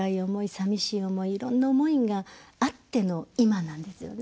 さみしい思いいろんな思いがあっての今なんですよね。